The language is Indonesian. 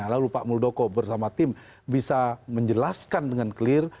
lalu pak muldoko bersama tim bisa menjelaskan dengan clear